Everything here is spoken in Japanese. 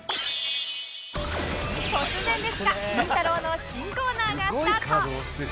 突然ですがりんたろー。の新コーナーがスタート